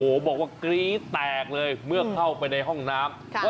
โอ้โหบอกว่ากรี๊ดแตกเลยเมื่อเข้าไปในห้องน้ำ